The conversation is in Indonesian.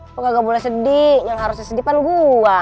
lo gak boleh sedih yang harusnya sedih kan gue